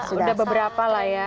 udah beberapa lah ya